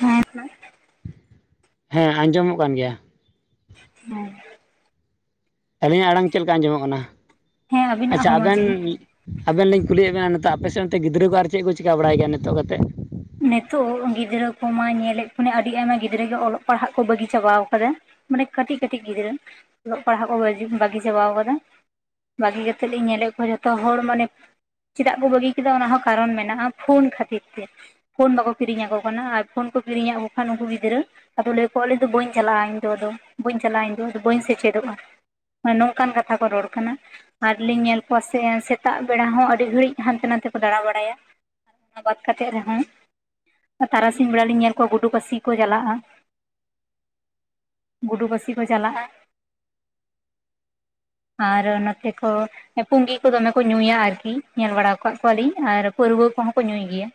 ᱦᱮᱸ ᱦᱮᱸ ᱦᱮᱸ ᱟᱸᱡᱚᱢᱚᱜ ᱠᱟᱱ ᱜᱮᱭᱟ᱾ ᱦᱮᱸ ᱟᱹᱞᱤᱧᱟᱜ ᱟᱲᱟᱝ ᱪᱮᱫ ᱞᱮᱠᱟ ᱟᱸᱡᱚᱢᱚᱜ ᱠᱟᱱᱟ᱾ ᱦᱮᱸ ᱟᱵᱤᱱᱟᱜ ᱟᱪᱪᱷᱟ ᱦᱚᱸ ᱢᱚᱸᱡᱽ ᱟᱵᱮᱱ ᱜᱮ ᱟᱵᱮᱱ ᱞᱤᱧ ᱠᱩᱞᱤᱭᱮᱫ ᱵᱮᱱᱟ ᱱᱤᱛᱚᱜ ᱟᱯᱮ ᱥᱮᱫ ᱜᱤᱫᱽᱨᱟᱹ ᱠᱚ ᱟᱨ ᱪᱮᱫ ᱠᱚ ᱪᱤᱠᱟ ᱵᱟᱲᱟᱭ ᱜᱮᱭᱟ ᱱᱤᱛᱚᱜ ᱠᱟᱛᱮᱜ᱾ ᱱᱤᱛᱳᱜ ᱜᱤᱫᱽᱨᱟᱹ ᱠᱚᱢᱟ ᱧᱮᱞᱮᱫ ᱠᱷᱚᱱᱤᱧ ᱟᱹᱰᱤ ᱟᱭᱢᱟ ᱜᱤᱫᱽᱨᱟᱹ ᱜᱮ, ᱚᱞᱚᱜ ᱯᱟᱲᱦᱟᱜ ᱠᱚ ᱵᱟᱹᱜᱤ ᱪᱟᱵᱟᱣ ᱟᱠᱟᱫᱟ᱾ ᱢᱟᱱᱮ ᱠᱟᱹᱴᱤᱡ ᱠᱟᱹᱴᱤᱡ, ᱜᱤᱫᱽᱨᱟᱹ ᱚᱞᱚᱜ ᱯᱟᱲᱦᱟᱜ ᱠᱚ ᱵᱟᱹᱜᱤ ᱵᱟᱹᱜᱤ ᱪᱟᱵᱟᱣ ᱠᱟᱫᱟ᱾ ᱵᱟᱹᱜᱤ ᱠᱟᱛᱮᱫ ᱞᱤᱧ ᱧᱮᱞᱮᱫ ᱠᱚᱣᱟ ᱡᱷᱚᱛᱚ ᱦᱚᱲ ᱢᱟᱱᱮ ᱪᱮᱫᱟᱜ ᱠᱚ ᱵᱟᱹᱜᱤ ᱠᱮᱫᱟ ᱚᱱᱟ ᱦᱚᱸ ᱠᱟᱨᱚᱱ ᱢᱮᱱᱟᱜᱼᱟ᱾ ᱯᱷᱳᱱ ᱠᱷᱟᱹᱛᱤᱨ ᱛᱮ ᱯᱷᱳᱱ ᱵᱟᱠᱚ ᱠᱤᱨᱤᱧ ᱟᱠᱚ ᱠᱟᱱᱟ, ᱟᱨ ᱯᱷᱳᱱ ᱠᱚ ᱠᱤᱨᱤᱧᱟᱫ ᱠᱚ ᱠᱷᱟᱱ ᱩᱱᱠᱩ ᱜᱤᱫᱽᱨᱟᱹ ᱟᱫᱚ ᱞᱟᱹᱭᱟ ᱠᱚ ᱟᱞᱮ ᱫᱚ ᱵᱟᱹᱧ ᱪᱟᱞᱟᱜᱼᱟ᱾ ᱤᱧ ᱫᱚ ᱟᱫᱚ ᱵᱟᱹᱧ ᱪᱟᱞᱟᱜᱼᱟ᱾ ᱤᱧ ᱫᱚ ᱟᱫᱚ ᱵᱟᱹᱧ ᱥᱮᱪᱮᱫᱚᱜᱼᱟ᱾ ᱱᱚᱝᱠᱟᱱ ᱠᱟᱛᱷᱟ ᱠᱚ ᱨᱚᱲ ᱠᱟᱱᱟ᱾ ᱟᱨ ᱞᱤᱧ ᱧᱮᱞ ᱠᱚᱣᱟ ᱥᱮ ᱥᱮᱛᱟᱜ ᱵᱮᱲᱟ ᱦᱚᱸ ᱟᱹᱰᱤ ᱜᱷᱟᱹᱲᱤᱡ ᱦᱟᱱᱛᱮ ᱱᱟᱛᱮ ᱠᱚ ᱫᱟᱸᱲᱟ ᱵᱟᱲᱟᱭᱟ᱾ ᱚᱱᱟ ᱵᱟᱫ ᱠᱟᱛᱮᱜ ᱨᱮᱦᱚᱸ ᱛᱟᱨᱟᱥᱤᱧ ᱵᱮᱲᱟ ᱞᱤᱧ ᱧᱮᱞ ᱠᱚᱣᱟ ᱜᱩᱰᱩ ᱯᱟᱥᱤ ᱠᱚ ᱪᱟᱞᱟᱜᱼᱟ᱾ ᱜᱩᱰᱩ ᱯᱟᱹᱥᱤ ᱠᱚ ᱪᱟᱞᱟᱜᱼᱟ [inaudible] ᱟᱨᱚ ᱱᱚᱛᱮ ᱠᱚ ᱯᱩᱸᱜᱤ ᱠᱚ ᱫᱚᱢᱮ ᱠᱚ ᱧᱩᱭᱟ ᱟᱨᱠᱤ ᱧᱮᱞ ᱵᱟᱲᱟ ᱟᱠᱟᱜ ᱠᱚᱣᱟᱞᱤᱧ ᱟᱨ ᱯᱟᱹᱨᱣᱟᱹ ᱠᱚᱦᱚᱸ ᱠᱚ ᱧᱩᱭ ᱜᱮᱭᱟ᱾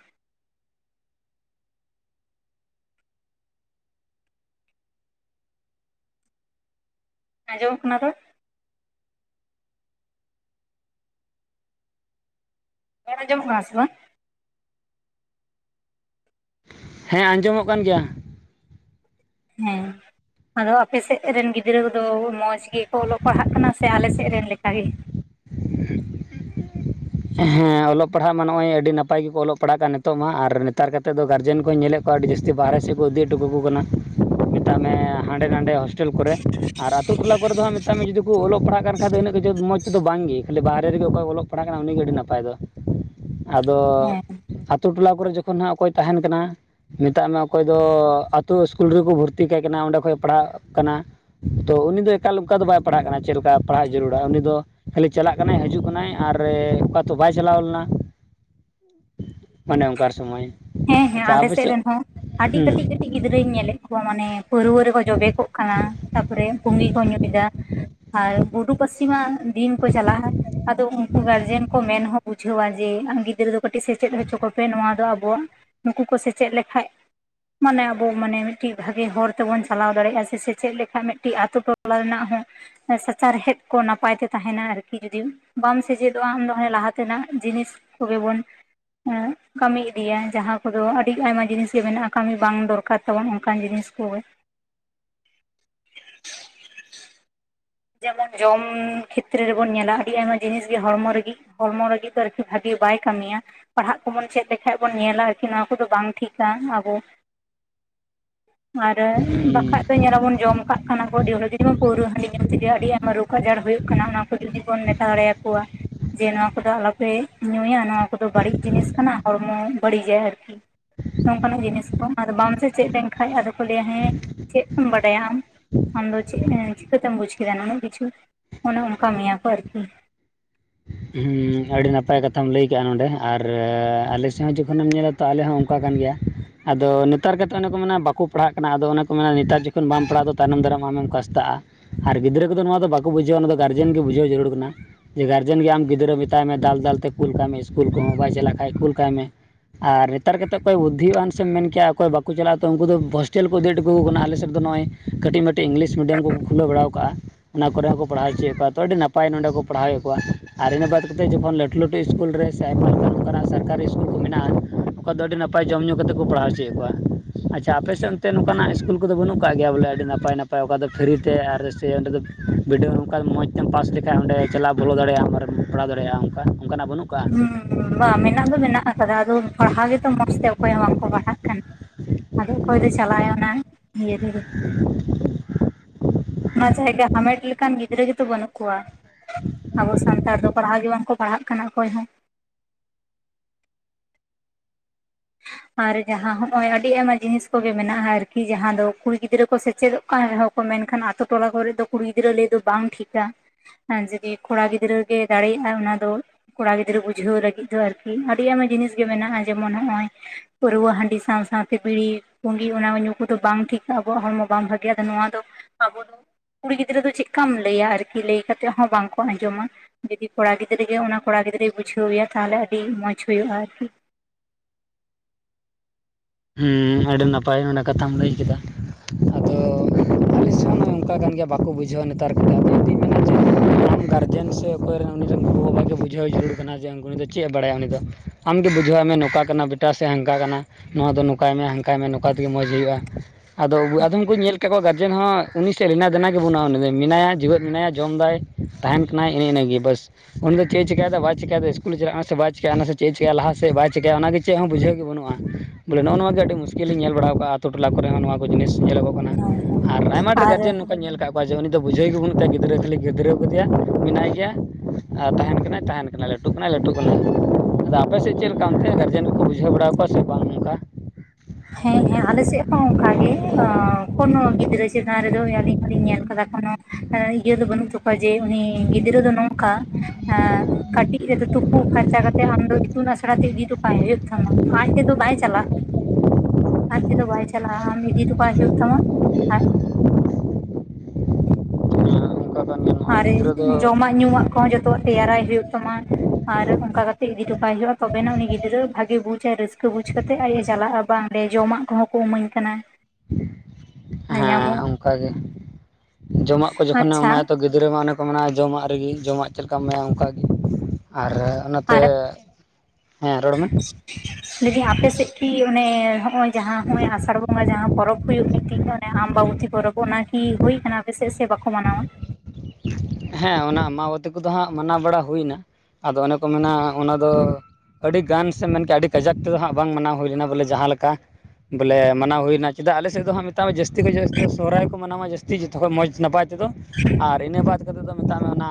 ᱟᱸᱡᱚᱢ ᱠᱟᱱᱟ ᱨᱚᱲ ᱵᱟᱝ ᱟᱸᱡᱚᱢᱚᱜ ᱠᱟᱱᱟ ᱥᱮ ᱵᱟᱝ? ᱦᱮᱸ ᱟᱸᱡᱚᱢᱚᱜ ᱠᱟᱱ ᱜᱮᱭᱟ᱾ ᱦᱮᱸ᱾ᱟᱫᱚ ᱟᱯᱮ ᱥᱮᱫ ᱨᱮᱱ ᱜᱤᱫᱽᱨᱟᱹ ᱠᱚᱫᱚ ᱢᱚᱸᱡᱽ ᱜᱮᱠᱚ ᱚᱞᱚᱜ ᱯᱟᱲᱦᱟᱜ ᱠᱟᱱᱟ ᱥᱮ ᱟᱞᱮ ᱥᱮᱫ ᱨᱮᱱ ᱞᱮᱠᱟ ᱜᱮ᱾ ᱦᱮᱸ ᱚᱞᱚᱜ ᱯᱟᱲᱦᱟᱜ ᱢᱟ ᱱᱚᱜᱼᱚᱭ ᱟᱹᱰᱤ ᱱᱟᱯᱟᱭ ᱜᱮᱠᱚ ᱚᱞᱚᱜ ᱯᱟᱲᱦᱟᱜ ᱠᱟᱱ᱾ ᱱᱤᱛᱚᱜ ᱢᱟ ᱟᱨ ᱱᱮᱛᱟᱨ ᱠᱟᱛᱮᱫ ᱫᱚ ᱜᱟᱨᱡᱮᱱ ᱠᱚᱧ ᱧᱮᱞᱮᱫ ᱟᱠᱚ ᱟᱹᱰᱤ ᱡᱟᱹᱥᱛᱤ ᱵᱟᱨᱦᱮ ᱥᱮᱫ ᱠᱚ ᱤᱫᱤ ᱦᱚᱴᱚ ᱠᱟᱠᱚ ᱠᱟᱱᱟ᱾ ᱢᱮᱛᱟᱜ ᱢᱮ ᱦᱟᱸᱰᱮ ᱱᱟᱰᱮ ᱦᱳᱥᱴᱮᱞ ᱠᱚᱨᱮ, ᱟᱨ ᱟᱛᱳ ᱴᱚᱞᱟ ᱠᱚᱨᱮ ᱫᱚ ᱦᱟᱸᱜ ᱢᱮᱛᱟᱜ ᱢᱮ ᱡᱩᱫᱤ ᱠᱚ ᱚᱞᱚᱜ ᱯᱟᱲᱦᱟᱜ ᱠᱟᱱ ᱠᱷᱟᱡ ᱫᱚ ᱤᱱᱟᱹᱜ ᱠᱤᱪᱷᱩ ᱢᱚᱡᱽ ᱛᱮᱫᱚ ᱵᱟᱝ ᱜᱮ ᱠᱷᱟᱹᱞᱤ ᱵᱟᱦᱨᱮ ᱨᱮᱜᱮ ᱚᱠᱚᱭ ᱚᱞᱚᱜ ᱯᱟᱲᱦᱟᱜ ᱠᱟᱱᱟᱭ ᱩᱱᱤ ᱜᱮ ᱟᱹᱰᱤ ᱱᱟᱯᱟᱭ ᱫᱚ᱾ ᱟᱫᱚ ᱦᱮᱸ ᱟᱛᱳ ᱴᱚᱞᱟ ᱠᱚᱨᱮ ᱡᱚᱠᱷᱚᱱ ᱦᱟᱸᱜ ᱚᱠᱚᱭ ᱛᱟᱦᱮᱱ ᱠᱟᱱᱟ᱾ ᱢᱮᱛᱟᱜ ᱢᱮ ᱚᱠᱚᱭ ᱫᱚ ᱟᱛᱳ ᱤᱥᱠᱩᱞ ᱨᱮᱠᱚ ᱵᱷᱚᱨᱛᱤ ᱠᱟᱭ ᱠᱟᱱᱟ ᱚᱸᱰᱮ ᱠᱷᱚᱡ ᱯᱟᱲᱦᱟᱜ ᱠᱟᱱᱟ᱾ ᱛᱚ ᱩᱱᱤ ᱫᱚ ᱮᱠᱟᱞ ᱚᱱᱠᱟ ᱫᱚ ᱵᱟᱭ ᱯᱟᱲᱦᱟᱜ ᱠᱟᱱᱟ ᱪᱮᱫᱮ ᱞᱮᱠᱟ ᱯᱟᱲᱦᱟᱜ ᱡᱟᱹᱨᱩᱲᱟ ᱩᱱᱤ ᱫᱚ ᱠᱷᱟᱹᱞᱤ ᱪᱟᱞᱟᱜ ᱠᱟᱱᱟᱭ ᱦᱤᱡᱩᱜ ᱠᱟᱱᱟᱭ ᱟᱨ ᱚᱠᱟ ᱛᱮ ᱵᱟᱭ ᱪᱟᱞᱟᱣ ᱞᱮᱱᱟ ᱚᱱᱮ ᱚᱱᱠᱟ ᱥᱚᱢᱚᱭ ᱦᱮᱸ ᱦᱮᱸ᱾ ᱟᱪᱪᱷᱟ ᱟᱞᱮ ᱟᱯᱮ ᱥᱮᱫ ᱨᱮᱱ ᱦᱚᱸ ᱟᱹᱰᱤ ᱦᱮᱸ ᱠᱟᱹᱴᱤᱡ ᱠᱟᱹᱴᱤᱡ ᱠᱟᱹᱴᱤᱡ ᱜᱤᱫᱽᱨᱟᱹᱧ ᱧᱮᱞᱮᱫ ᱠᱚᱣᱟ ᱢᱟᱱᱮ ᱯᱟᱹᱨᱣᱟᱹ ᱨᱮᱠᱚ ᱡᱚᱵᱮ ᱠᱚᱜ ᱠᱟᱱᱟ᱾ ᱛᱟᱨᱯᱚᱨᱮ ᱯᱩᱸᱜᱤ ᱠᱚ ᱧᱩᱭᱮᱫᱟ᱾ ᱟᱨ ᱜᱩᱸᱰᱩ ᱯᱟᱥᱤᱢᱟ ᱫᱤᱱ ᱠᱚ ᱪᱟᱞᱟᱜᱼᱟ᱾ ᱟᱫᱚ ᱩᱱᱠᱩ ᱜᱟᱨᱡᱮᱱ ᱠᱚ ᱢᱮᱱ ᱦᱚᱸ ᱵᱩᱡᱷᱟᱹᱣᱟ, ᱡᱮ ᱜᱤᱫᱽᱨᱟᱹ ᱫᱚ ᱠᱟᱹᱴᱤᱡ ᱥᱮᱪᱮᱫ ᱦᱚᱪᱚ ᱠᱚᱯᱮ, ᱱᱚᱣᱟ ᱫᱚ ᱟᱵᱚᱣᱟᱜ ᱱᱩᱠᱩ ᱠᱚ ᱥᱮᱪᱮᱫ ᱞᱮᱠᱷᱟᱡ, ᱢᱟᱱᱮ ᱟᱵᱚ ᱢᱟᱱᱮ ᱢᱤᱫᱴᱤᱡ ᱵᱷᱟᱜᱮ ᱦᱚᱨ ᱛᱮᱵᱚᱱ ᱪᱟᱞᱟᱣ ᱫᱟᱲᱮᱭᱟᱜᱼᱟ᱾ ᱥᱮ ᱥᱮᱪᱮᱫ ᱞᱮᱠᱷᱟᱱ ᱢᱤᱫᱴᱤᱡ ᱟᱛᱳ ᱴᱚᱞᱟ ᱨᱮᱱᱟᱜ ᱦᱚᱸ ᱥᱟᱪᱟᱨᱦᱮᱫ ᱠᱚ ᱱᱟᱯᱟᱭ ᱛᱮ ᱛᱟᱦᱮᱱᱟ ᱟᱨᱠᱤ ᱡᱩᱫᱤᱢ ᱵᱟᱢ ᱥᱮᱪᱮᱫᱚᱜᱼᱟ ᱟᱢ ᱫᱚ ᱦᱟᱱᱮ ᱞᱟᱦᱟ ᱛᱮᱱᱟᱜ ᱡᱤᱱᱤᱥ ᱠᱚᱜᱮ ᱵᱚᱱ ᱩᱸᱜ ᱠᱟᱹᱢᱤ ᱤᱫᱤᱭᱟ ᱡᱟᱦᱟᱸ ᱠᱚᱫᱚ ᱟᱹᱰᱤ ᱟᱭᱢᱟ ᱡᱤᱱᱤᱥ ᱜᱮ ᱢᱮᱱᱟᱜᱼᱟ ᱠᱟᱹᱢᱤ ᱵᱟᱝ ᱫᱚᱨᱠᱟᱨ ᱛᱟᱵᱚᱱ ᱚᱱᱠᱟᱱ ᱡᱤᱱᱤᱥ ᱠᱚᱜᱮ᱾ ᱡᱮᱢᱚᱱ ᱡᱚᱢ ᱠᱷᱮᱛᱨᱮ ᱨᱮᱵᱚᱱ ᱧᱮᱞᱟ ᱟᱹᱰᱤ ᱟᱭᱢᱟ ᱡᱤᱱᱤᱥ ᱜᱮ ᱦᱚᱲᱢᱚ ᱨᱮᱜᱮ, ᱦᱚᱲᱢᱚ ᱞᱟᱹᱜᱤᱫ ᱫᱚ ᱟᱨᱠᱤ ᱵᱷᱟᱜᱮ ᱵᱟᱭ ᱠᱟᱹᱢᱤᱭᱟ, ᱯᱟᱲᱦᱟᱜ ᱠᱚ ᱵᱚᱱ ᱪᱮᱫ ᱞᱮᱠᱷᱟᱡ ᱵᱚᱱ ᱧᱮᱞᱟ ᱟᱨᱠᱤ ᱱᱚᱣᱟ ᱠᱚᱫᱚ ᱵᱟᱝ ᱴᱷᱤᱠᱟ ᱟᱵᱚ [inaudible] ᱟᱨ ᱦᱮᱸ ᱵᱟᱠᱷᱟᱡ ᱫᱚ ᱧᱮᱞᱟᱵᱚᱱ ᱡᱚᱢ ᱠᱟᱜ ᱠᱟᱱᱟ ᱠᱚ ᱟᱰᱤ ᱦᱚᱲᱜᱮ ᱡᱮᱢᱚᱱ ᱯᱟᱹᱣᱨᱟᱹ ᱦᱟᱺᱰᱤ ᱟᱹᱰᱤ ᱟᱭᱢᱟ ᱨᱳᱜᱽ ᱟᱡᱟᱨ ᱦᱳᱭᱳᱜ ᱠᱟᱱᱟ ᱚᱱᱟ ᱠᱚ ᱡᱩᱫᱤ ᱵᱚᱱ ᱢᱮᱛᱟ ᱫᱟᱲᱮᱭᱟᱠᱚᱣᱟ᱾ ᱡᱮ ᱱᱚᱣᱟ ᱠᱚᱫᱚ ᱟᱞᱚᱯᱮ ᱧᱩᱭᱟ ᱱᱚᱣᱟ ᱠᱚᱫᱚ ᱵᱟᱹᱲᱤᱡ ᱡᱤᱱᱤᱥ ᱠᱟᱱᱟ ᱦᱚᱲᱢᱚ ᱵᱟᱹᱲᱤᱡᱟᱭ ᱟᱨᱠᱤ᱾ ᱱᱚᱝᱠᱟᱱᱟᱜ ᱡᱤᱱᱤᱥ ᱠᱚ ᱟᱫᱚ ᱵᱟᱢ ᱥᱮᱪᱮᱫ ᱞᱮᱱᱠᱷᱟᱱ ᱟᱫᱚ ᱠᱚ ᱞᱟᱹᱭᱟ ᱦᱮᱸ ᱪᱮᱫ ᱮᱢ ᱵᱟᱰᱟᱭᱟ ᱟᱢ? ᱟᱢᱫᱚ ᱪᱮᱫ ᱪᱤᱠᱟᱹᱛᱮᱢ ᱵᱩᱡ ᱠᱮᱫᱟ ᱱᱩᱱᱟᱹᱜ ᱠᱤᱪᱷᱩ ᱚᱱᱮ ᱚᱱᱠᱟ ᱢᱮᱭᱟ ᱠᱚ ᱟᱨᱠᱤ᱾ ᱟᱹᱰᱤ ᱱᱟᱯᱟᱭ ᱠᱟᱛᱷᱟᱢ ᱞᱟᱹᱭ ᱠᱟᱜᱼᱟ᱾ ᱱᱚᱰᱮ ᱟᱨ ᱟᱞᱮ ᱥᱮᱫ ᱦᱚᱸ ᱡᱚᱠᱷᱚᱱᱮᱢ ᱧᱮᱞᱟ ᱛᱚ ᱟᱞᱮ ᱦᱚᱸ ᱚᱱᱠᱟ ᱠᱟᱱ ᱜᱮᱭᱟ᱾ ᱟᱫᱚ ᱱᱮᱛᱟᱨ ᱠᱟᱴᱟ ᱚᱱᱮ ᱠᱚ ᱢᱮᱱᱟ ᱵᱟᱠᱚ ᱯᱟᱲᱦᱟᱜ ᱠᱟᱱᱟ ᱟᱫᱚ ᱚᱱᱮ ᱠᱚ ᱢᱮᱱᱟ ᱱᱮᱛᱟᱨ ᱡᱚᱠᱷᱚᱱ ᱵᱟᱢ ᱯᱟᱲᱦᱟᱜ ᱫᱚ ᱛᱚ ᱛᱟᱭᱚᱢᱱ ᱫᱟᱨᱟᱢ ᱟᱢᱮᱢ ᱠᱟᱥᱛᱟᱜᱼᱟ᱾ ᱟᱨ ᱜᱤᱫᱽᱨᱟᱹ ᱠᱚᱫᱚ ᱱᱚᱣᱟ ᱫᱚ ᱵᱟᱠᱚ ᱵᱩᱡᱷᱟᱹᱣᱟ ᱱᱚᱣᱟ ᱫᱚ ᱜᱟᱨᱡᱮᱱ ᱜᱮ ᱵᱩᱡᱷᱟᱹᱣ ᱡᱟᱹᱨᱩᱲ ᱠᱟᱱᱟ᱾ ᱡᱮᱱ ᱜᱮ ᱟᱢ ᱜᱤᱫᱽᱨᱟᱹ ᱢᱮᱛᱟᱭ ᱢᱮ ᱫᱟᱞ ᱫᱟᱞ ᱛᱮ ᱠᱩᱞ ᱠᱟᱭ ᱢᱮ ᱤᱥᱠᱩᱞ ᱠᱚᱦᱚᱸ ᱵᱟᱭ ᱪᱟᱞᱟᱜ ᱠᱷᱟᱡ ᱠᱩᱞ ᱠᱟᱭ ᱢᱮ᱾ ᱟᱨ ᱱᱮᱛᱟᱨ ᱠᱟᱛᱮᱫ ᱚᱠᱚᱭ ᱵᱩᱫᱽᱫᱫᱷᱤᱣᱟᱱ ᱥᱮᱢ ᱢᱮᱱ ᱠᱮᱭᱟ ᱚᱠᱚᱭ ᱵᱟᱠᱚ ᱪᱟᱞᱟᱜᱼᱟ ᱛᱚ ᱩᱱᱠᱩ ᱫᱚ ᱦᱳᱥᱴᱮᱞ ᱠᱚ ᱤᱫᱤ ᱦᱚᱴᱚ ᱠᱟᱠᱚ ᱠᱟᱱᱟ ᱟᱞᱮᱥᱮᱫ ᱫᱚ ᱱᱚᱜᱼᱚᱭ, ᱠᱟᱹᱴᱤᱡ ᱢᱟᱹᱴᱤᱡ ᱤᱝᱞᱤᱥ ᱢᱤᱰᱤᱭᱟᱢ ᱠᱚᱠᱚ ᱠᱷᱩᱞᱟᱹᱣ ᱵᱟᱲᱟᱣ ᱠᱟᱜᱼᱟ᱾ ᱚᱱᱟ ᱠᱚᱨᱮ ᱦᱚᱸᱠᱚ ᱯᱟᱲᱦᱟᱣ ᱦᱚᱪᱚᱭᱮᱫ ᱠᱚᱣᱟ᱾ ᱛᱚ ᱟᱹᱰᱤ ᱱᱟᱯᱟᱭ ᱱᱚᱸᱰᱮ ᱠᱚ ᱯᱟᱲᱦᱟᱣᱮᱫ ᱠᱚᱣᱟ᱾ ᱟᱨ ᱤᱱᱟᱹ ᱵᱟᱫ ᱠᱟᱛᱮᱫ ᱡᱚᱠᱷᱚᱱ ᱞᱟᱹᱴᱩ ᱞᱟᱹᱴᱩ ᱤᱥᱠᱩᱞ ᱨᱮ ᱥᱮ ᱟᱭᱢᱟ ᱞᱮᱠᱟᱱ ᱚᱱᱠᱟᱱᱟᱜ ᱥᱟᱨᱠᱟᱨᱤ ᱥᱤᱥᱠᱩᱞ ᱠᱚ ᱢᱮᱱᱟᱜᱼᱟ᱾ ᱚᱠᱟ ᱫᱚ ᱟᱹᱰᱤ ᱱᱟᱯᱟᱭ ᱡᱚᱢ ᱧᱩ ᱠᱟᱛᱮᱫ ᱠᱚ ᱯᱟᱲᱦᱟᱣ ᱚᱪᱚᱭᱮᱫ ᱠᱚᱣᱟ᱾ ᱟᱪᱪᱷᱟ ᱟᱯᱮᱥᱮᱫ ᱚᱱᱛᱮ ᱱᱚᱝᱠᱟᱱᱟᱜ ᱤᱥᱠᱩᱞ ᱠᱚᱫᱚ ᱵᱟᱹᱱᱩᱜ ᱠᱟᱜ ᱜᱮᱭᱟ ᱵᱚᱞᱮ ᱟᱹᱰᱤ ᱱᱟᱯᱟᱭ? ᱱᱟᱯᱟᱭ ᱱᱟᱯᱟᱭ ᱚᱠᱟᱫᱚ ᱯᱷᱤᱨᱤᱛᱮ ᱟᱨ ᱥᱮ ᱚᱸᱰᱮ ᱫᱚ ᱵᱤᱰᱟᱹᱣ ᱱᱚᱝᱠᱟ ᱢᱚᱡᱽ ᱛᱮᱢ ᱯᱟᱥ ᱞᱮᱠᱷᱟᱱ ᱚᱸᱰᱮ ᱪᱟᱞᱟᱣ ᱵᱚᱞᱚ ᱫᱟᱲᱮᱭᱟᱜᱼᱟᱢ᱾ ᱫᱟᱲᱮᱭᱟᱜᱼᱟ ᱚᱱᱠᱟ ᱚᱱᱠᱟᱱᱟᱜ ᱵᱟᱹᱱᱩᱜ? ᱠᱟᱜᱼᱟ ᱦᱩᱸ ᱵᱟᱝ ᱢᱮᱱᱟᱜ ᱫᱚ ᱢᱮᱱᱟᱜ ᱟᱠᱟᱫᱟ᱾ ᱟᱫᱚ ᱯᱟᱲᱦᱟᱣ ᱜᱮᱛᱚ ᱢᱚᱸᱡᱽ ᱛᱮ ᱚᱠᱚᱭ ᱦᱚᱸ ᱵᱟᱝᱠᱚ ᱯᱟᱲᱦᱟᱜ ᱠᱟᱱᱟ᱾ ᱟᱫᱚ ᱚᱠᱚᱭ ᱫᱚ ᱪᱟᱞᱟᱜᱼᱟᱭ ᱚᱱᱟ ᱤᱭᱟᱹ ᱨᱮᱜᱮ᱾ ᱚᱱᱟ ᱡᱟᱭᱜᱟ ᱦᱟᱢᱮᱴ ᱞᱮᱠᱟᱱ ᱜᱤᱫᱽᱨᱟᱹ ᱜᱮᱛᱚ ᱵᱟᱹᱱᱩᱜ ᱠᱚᱣᱟ᱾ ᱟᱵᱚ ᱥᱟᱱᱛᱟᱲ ᱫᱚ ᱯᱟᱲᱦᱟᱣ ᱜᱮ ᱵᱟᱝᱠᱚ ᱯᱟᱲᱦᱟᱜ ᱠᱟᱱᱟ ᱚᱠᱚᱭ ᱦᱚᱸ᱾ ᱟᱨ ᱡᱟᱦᱟᱸ ᱦᱚᱸᱜᱼᱚᱭ ᱟᱹᱰᱤ ᱟᱭᱢᱟ ᱡᱤᱱᱤᱥ ᱠᱚᱜᱮ ᱢᱮᱱᱟᱜᱼᱟ ᱟᱨᱠᱤ ᱡᱟᱦᱟᱸ ᱫᱚ ᱠᱩᱲᱤ ᱜᱤᱫᱽᱨᱟᱹ ᱠᱚ ᱥᱮᱪᱮᱫᱚᱜ ᱠᱟᱱ ᱨᱮᱦᱚᱸ ᱢᱮᱱᱠᱷᱟᱱ ᱟᱛᱳ ᱴᱚᱞᱟ ᱠᱚᱨᱮ ᱫᱚ ᱠᱩᱲᱤ ᱜᱤᱫᱽᱨᱟᱹ ᱞᱟᱹᱭ ᱫᱚ ᱵᱟᱝ ᱴᱷᱤᱠᱟ᱾ ᱦᱮᱸ ᱡᱩᱫᱤ ᱠᱚᱲᱟ ᱜᱤᱫᱽᱨᱟᱹ ᱜᱮ ᱫᱟᱲᱮᱭᱟᱜᱼᱟ ᱚᱱᱟ ᱫᱚ, ᱠᱚᱲᱟ ᱜᱤᱫᱽᱨᱟᱹ ᱵᱩᱡᱷᱟᱹᱣ ᱞᱟᱹᱜᱤᱫ ᱫᱚ ᱟᱨᱠᱤ ᱟᱹᱰᱤ ᱟᱭᱢᱟ ᱡᱤᱱᱤᱥ ᱜᱮ ᱢᱮᱱᱟᱜᱼᱟ ᱡᱮᱢᱚᱱ ᱦᱚᱸᱜᱚᱭ᱾ ᱯᱟᱹᱨᱣᱟᱹ ᱦᱟᱺᱰᱤ ᱥᱟᱶ ᱥᱟᱶᱛᱮ ᱵᱤᱲᱤ ᱯᱩᱸᱜᱤ ᱚᱱᱟ ᱧᱩ ᱠᱚᱫᱚ ᱵᱟᱝ ᱴᱷᱤᱠᱼᱟ ᱟᱵᱚᱣᱟᱜ ᱦᱚᱲᱢᱚ ᱵᱟᱝ ᱵᱷᱟᱜᱤᱼᱟ ᱱᱚᱣᱟ ᱫᱚ ᱟᱵᱚ ᱫᱚ ᱠᱩᱲᱤ ᱜᱤᱫᱽᱨᱟᱹ ᱫᱚ ᱪᱮᱫᱠᱟᱢ ᱞᱟᱹᱭᱟ ᱟᱨᱠᱤ ᱞᱟᱹᱭ ᱠᱟᱛᱮᱫ ᱦᱚᱸ ᱵᱟᱝᱠᱚ ᱟᱸᱡᱚᱢᱟ᱾ ᱡᱩᱫᱤ ᱠᱚᱲᱟ ᱜᱤᱫᱽᱨᱟᱹ ᱜᱮ ᱚᱱᱟ ᱠᱚᱲᱟ ᱜᱤᱫᱽᱨᱟᱹᱭ ᱵᱩᱡᱷᱟᱹᱣ ᱮᱭᱟ ᱛᱟᱦᱚᱞᱮ ᱟᱹᱰᱤ ᱢᱚᱸᱡᱽ ᱦᱳᱭᱳᱜᱼᱟ ᱟᱨᱠᱤ᱾ ᱦᱩᱸ ᱟᱹᱰᱤ ᱱᱟᱯᱟᱭ ᱚᱱᱟ ᱠᱟᱛᱷᱟᱢ ᱞᱟᱹᱭ ᱠᱮᱫᱟ ᱟᱫᱚ, ᱟᱞᱮ ᱥᱮᱫ ᱦᱚᱸ ᱚᱱᱠᱟ ᱠᱟᱱ ᱜᱮᱭᱟ ᱵᱟᱠᱚ ᱵᱩᱡᱷᱟᱹᱣᱟ ᱱᱮᱛᱟᱨ ᱠᱚᱫᱚ ᱤᱧ ᱫᱚᱧ ᱢᱮᱱᱟ ᱡᱮ ᱟᱢ ᱜᱟᱨᱡᱮᱱ ᱥᱮ ᱚᱠᱚᱭ ᱨᱮᱱ ᱩᱱᱤ ᱫᱚ ᱜᱚ ᱵᱟᱵᱟ ᱜᱮ ᱵᱩᱡᱷᱟᱹᱣ ᱡᱟᱹᱨᱩᱲ ᱠᱟᱱᱟ ᱡᱮ ᱩᱱ ᱩᱱᱤ ᱫᱚ ᱪᱮᱫ ᱮ ᱵᱟᱲᱟᱭᱟ ᱩᱱᱤ ᱫᱚ ᱟᱢᱜᱮ ᱵᱩᱡᱷᱟᱹᱣ ᱢᱮ ᱱᱚᱝᱠᱟ ᱠᱟᱱᱟ᱾ ᱦᱟᱱᱠᱟ ᱠᱟᱱᱟ ᱱᱚᱣᱟ ᱫᱚ ᱱᱚᱝᱠᱟᱭ ᱢᱮ ᱦᱟᱱᱠᱟᱭ ᱢᱮ ᱱᱚᱝᱠᱟ ᱛᱮᱜᱮ ᱢᱚᱸᱡᱽ ᱦᱳᱭᱳᱜᱼᱟ ᱟᱫᱚ ᱟᱫᱚᱢ ᱠᱚ ᱧᱮᱞ ᱜᱟᱨᱡᱮᱱ ᱦᱚᱸ ᱩᱱᱤ ᱥᱮᱫ ᱞᱮᱱᱟ ᱫᱮᱱᱟ ᱜᱮ ᱵᱟᱹᱱᱩᱜᱼᱟ ᱩᱱᱤ ᱢᱮᱱᱟᱭᱟ ᱡᱤᱣᱭᱮᱫ ᱢᱮᱱᱟᱭᱟ ᱡᱚᱢᱫᱟᱭ, ᱛᱟᱦᱮᱱ ᱠᱟᱱᱟᱭ ᱤᱱᱮ ᱤᱱᱟᱹᱜᱮ ᱵᱟᱥ᱾ ᱩᱱᱤ ᱫᱚ ᱪᱮᱫ ᱮ ᱪᱤᱠᱟᱭᱫᱟ ᱵᱟᱭ ᱪᱤᱠᱟᱹᱭᱫᱟ ᱥᱠᱩᱞ ᱮ ᱪᱟᱞᱟᱜᱼᱟ ᱠᱟᱱᱟ ᱥᱮ ᱵᱟᱭ ᱪᱤᱠᱟᱭᱟ ᱚᱱᱟᱥ ᱪᱤᱠᱟᱭᱟ ᱞᱟᱦᱟᱥᱮᱫ ᱵᱟᱭ ᱪᱤᱠᱟᱭᱭᱟ ᱚᱱᱟᱜᱮ ᱪᱮᱫ ᱦᱚᱸ ᱵᱩᱡᱷᱟᱹᱣ ᱜᱮ ᱵᱟᱹᱱᱩᱜᱼᱟ᱾ ᱵᱚᱞᱮ ᱱᱚᱜᱼᱚ ᱱᱚᱣᱟ ᱜᱮ ᱟᱹᱰᱤ ᱢᱩᱥᱠᱤᱞᱤᱧ ᱧᱮᱞ ᱵᱟᱲᱟᱣ ᱠᱟᱜᱼᱟ ᱟᱛᱳ ᱴᱚᱞᱟ ᱠᱚᱨᱮ ᱦᱚᱸ ᱱᱚᱣᱟ ᱠᱚ ᱡᱤᱱᱤᱥ ᱧᱮᱞᱚᱜᱚᱜ ᱦᱮᱸ ᱦᱮᱸ ᱟᱨ ᱟᱭᱢᱟ ᱰᱷᱮᱨ ᱟᱨ ᱜᱟᱨᱡᱮᱱ ᱱᱚᱝᱠᱟᱧ ᱧᱮᱞ ᱠᱟᱫ ᱩᱱᱤ ᱫᱚ ᱵᱩᱡᱷᱟᱹᱣ ᱜᱮ ᱵᱟᱹᱱᱩᱜ ᱛᱟᱭᱟ ᱜᱤᱫᱽᱨᱟᱹ ᱠᱷᱟᱹᱞᱤ ᱜᱤᱫᱽᱨᱟᱹᱣ ᱠᱟᱫᱮᱭᱟ ᱢᱮᱱᱟᱭ ᱜᱮᱭᱟ᱾ ᱟᱨ ᱛᱟᱦᱮᱱ ᱠᱟᱱᱟᱭ ᱛᱟᱦᱮᱱ ᱠᱟᱱᱟᱭ ᱞᱟᱹᱴᱩᱜ ᱠᱟᱱᱟᱭ ᱞᱟᱹᱴᱩ ᱠᱟᱱᱟᱭ᱾ ᱟᱫᱚ ᱟᱯᱮᱥᱮᱫ ᱪᱮᱫ ᱞᱮᱠᱟ ᱚᱱᱛᱮ ᱜᱟᱨᱡᱮᱱ ᱠᱚᱠᱚ ᱵᱩᱡᱷᱟᱹᱣ ᱵᱟᱲᱟ ᱟᱠᱚᱣᱟ ᱥᱮ ᱵᱟᱝ ᱱᱚᱝᱠᱟ? ᱦᱮᱸ ᱦᱮᱸ ᱟᱞᱮᱥᱮᱫ ᱦᱚᱸ ᱚᱱᱠᱟ ᱜᱮ ᱠᱳᱱᱳ ᱜᱤᱫᱽᱨᱟᱹ ᱪᱮᱛᱟᱱ ᱨᱮᱫᱚ ᱟᱹᱞᱤᱧ ᱦᱚᱸᱞᱤᱧ ᱧᱮᱞ ᱠᱟᱫᱟ ᱠᱚᱱᱳ ᱤᱭᱟᱹ ᱫᱚ ᱵᱟᱹᱱᱩᱜ ᱛᱟᱠᱚᱣᱟ ᱡᱮ ᱩᱱᱤ ᱜᱤᱫᱽᱨᱟᱹ ᱫᱚ ᱱᱚᱝᱠᱟ ᱠᱟᱹᱴᱤᱡ ᱨᱮᱫᱚ ᱛᱩᱯᱩ ᱯᱷᱟᱨᱪᱟ ᱠᱟᱛᱮᱜ ᱟᱢ ᱫᱚ ᱤᱛᱩᱱ ᱟᱥᱲᱟᱛᱮ ᱤᱫᱤ ᱦᱚᱴᱚᱠᱟᱭ ᱦᱳᱭᱳᱜ ᱟᱡ ᱛᱮᱫᱚ ᱵᱟᱭ ᱪᱟᱞᱟᱜᱼᱟ ᱟᱡ ᱛᱮᱫᱚ ᱵᱟᱭ ᱪᱟᱞᱟᱜᱼᱟ ᱟᱢ ᱤᱫᱤᱦᱴᱚᱠᱟᱜ ᱦᱳᱭᱳᱜ ᱛᱟᱢᱟ ᱟᱨ ᱚᱱᱠᱟ ᱠᱟᱱ ᱜᱮᱭᱟ ᱱᱚᱜᱼᱚᱭ ᱟᱨ ᱜᱤᱫᱽᱨᱟᱹ ᱫᱚ ᱡᱚᱢᱟᱜ ᱧᱩᱣᱟᱜ ᱠᱚᱦᱚᱸ ᱡᱚᱛᱚᱣᱟᱜ ᱛᱮᱭᱟᱨᱟᱭ ᱦᱳᱭᱳᱜ ᱛᱟᱢᱟ ᱟᱨ ᱚᱱᱠᱟ ᱠᱟᱛᱮ ᱤᱫᱤ ᱦᱚᱴᱚ ᱞᱠᱟᱭ ᱦᱳᱭᱳᱜᱼᱟ ᱛᱚᱵᱮᱱᱟᱜ ᱩᱱᱤ ᱜᱤᱫᱽᱨᱟᱹ ᱵᱷᱟᱜᱮ ᱵᱩᱡ ᱟᱭ ᱨᱟᱹᱥᱠᱟᱹ ᱵᱩᱡ ᱠᱟᱛᱮ ᱠᱟᱛᱮᱫ ᱟᱡ ᱮ ᱪᱟᱞᱟᱜᱼᱟ ᱵᱟᱝ ᱡᱚᱢᱟᱜ ᱠᱚᱦᱚᱸ ᱠᱚ ᱤᱢᱟᱹᱧ ᱠᱟᱱᱟ ᱦᱮᱸ ᱧᱟᱢᱚᱜ ᱚᱱᱠᱟᱜᱮ ᱡᱚᱢᱟᱜ ᱠᱚ ᱡᱚᱠᱷᱚᱱᱮᱢ ᱟᱪᱪᱷᱟ ᱮᱢᱟᱭᱟ ᱛᱚ ᱜᱤᱫ ᱜᱤᱫᱽᱨᱟᱹ ᱢᱟ ᱚᱱᱮ ᱠᱚ ᱢᱮᱱᱟᱜᱼᱟ ᱡᱚᱢᱟᱜ ᱨᱮᱜᱮ ᱡᱚᱢᱟᱜ ᱪᱮᱫ ᱞᱮᱠᱟᱢ ᱢᱮᱭᱟ ᱚᱱᱠᱟᱜᱮ ᱟᱨ ᱚᱱᱟᱛᱮ ᱟᱨ ᱦᱮᱸ ᱨᱚᱲᱢᱮ ᱞᱟᱹᱭᱫᱤ ᱟᱯᱮᱥᱮᱫ ᱠᱤ ᱚᱱᱮ ᱦᱚᱸᱜᱼᱚᱭ ᱡᱟᱦᱟᱸ ᱦᱚᱸᱜᱼᱚᱭ ᱟᱥᱟᱲ ᱵᱚᱸᱜᱟ ᱡᱟᱦᱟᱸ ᱯᱚᱨᱚᱵᱽ ᱦᱩᱭᱩᱜ ᱢᱤᱫᱴᱤᱡ ᱚᱱᱮ ᱟᱢᱵᱟᱵᱩᱛᱤ ᱯᱚᱨ ᱚᱱᱟᱠᱤ ᱦᱩᱭ ᱟᱠᱟᱱᱟ ᱟᱯᱮ ᱥᱮᱫ ᱥᱮ ᱵᱟᱠᱚ ᱢᱟᱱᱟᱣᱟ? ᱦᱮᱸ ᱚᱱᱟ ᱟᱢᱟᱵᱛᱤ ᱠᱚᱫᱚ ᱦᱟᱸᱜ ᱢᱟᱱᱟᱣ ᱵᱟᱲᱟ ᱦᱩᱭᱱᱟ ᱟᱫᱚ ᱚᱱᱮ ᱠᱚ ᱢᱮᱱᱟ ᱚᱱᱟ ᱫᱚ ᱟᱹᱰᱤ ᱜᱟᱱ ᱥᱮ ᱢᱮᱱᱠᱟ ᱟᱹᱰᱤ ᱠᱟᱡᱟᱠ ᱛᱮᱫᱚ ᱦᱟᱸᱜ ᱵᱟᱝ ᱢᱟᱱᱟᱣ ᱦᱩᱭ ᱞᱮᱱᱟ ᱵᱚᱞᱮ ᱡᱟᱦᱟᱸ ᱞᱮᱠᱟ ᱾ ᱵᱚᱞᱮ ᱢᱟᱱᱟᱣ ᱦᱩᱭᱮᱱᱟ ᱪᱮᱫᱟᱜ ᱟᱞᱮᱮᱥᱮᱫ ᱫᱚ ᱦᱟᱸᱜ ᱢᱮᱛᱟᱜ ᱢᱮ ᱡᱟᱹᱥᱛᱤ ᱠᱷᱚᱡ ᱡᱟᱹᱥ ᱫᱚ ᱥᱚᱦᱚᱨᱟᱭ ᱠᱚ ᱢᱟᱱᱟᱣᱟ ᱡᱟᱹᱥᱛᱤ ᱡᱚᱛᱚᱠᱷᱚᱡ ᱢᱚᱡᱽ ᱱᱟᱯᱟᱭ ᱛᱮᱫᱚ ᱾ ᱟᱨ ᱤᱱᱟᱹ ᱵᱟᱫ ᱠᱟᱛᱮ ᱫᱚ ᱢᱮᱛᱟᱜ ᱢᱮ ᱚᱱᱟ